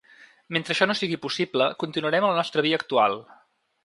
Mentre això no sigui possible, continuarem la nostra via actual.